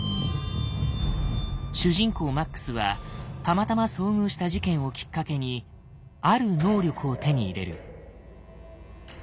主人公マックスはたまたま遭遇した事件をきっかけにある能力を手に入れる。